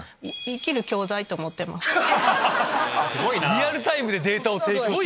リアルタイムでデータを提供してくれる。